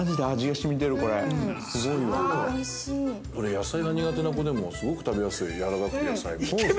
◆野菜が苦手な子でも、すごく食べやすい、やわらかくて、野菜も。